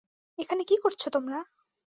এখানে কী করছো তোমরা?